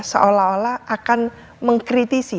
seolah olah akan mengkritisi